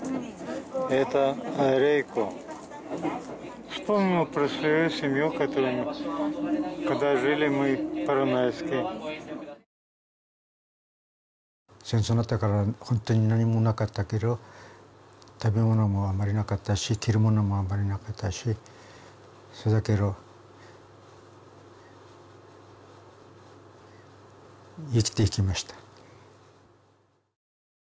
えーとレイ子戦争になったからホントに何もなかったけど食べものもあんまりなかったし着るものもあんまりなかったしそれだけど生きていきました